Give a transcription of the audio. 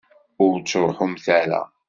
Ur ttṛuḥumt ara!